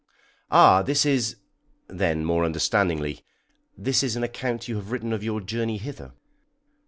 "Ah! this is " Then, more understandingly, "This is an account you have written of your journey hither?"